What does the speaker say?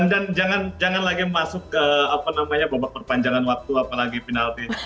dan jangan lagi masuk ke apa namanya bobot perpanjangan waktu apalagi penalti